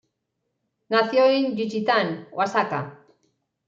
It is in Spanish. Nació en Juchitán, Oaxaca.